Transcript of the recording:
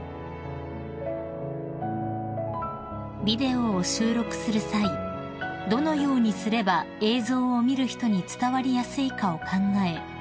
［ビデオを収録する際どのようにすれば映像を見る人に伝わりやすいかを考え